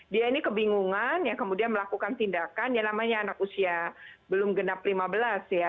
dia ini kebingungan ya kemudian melakukan tindakan yang namanya anak usia belum genap lima belas ya